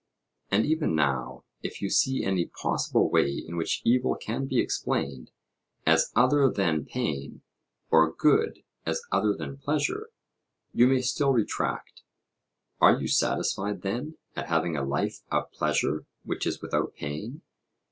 And even now, if you see any possible way in which evil can be explained as other than pain, or good as other than pleasure, you may still retract. Are you satisfied, then, at having a life of pleasure which is without pain?